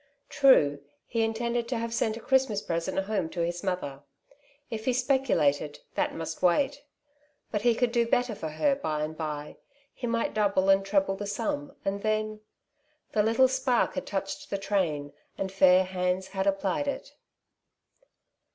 True, he intended to have sent a Christmas present home to his mother; if he speculated, that must wait. But he could do better for her by and by; he might doiible and treble the sum, and then — The little spark had touched the train, and fair hands had applied it.